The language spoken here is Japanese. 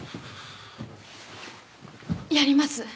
やります。